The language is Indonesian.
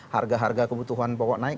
harga harga kebutuhan pokok naik